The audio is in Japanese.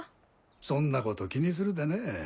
そんなこと気にするでね。